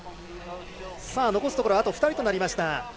残すところあと２人となりました。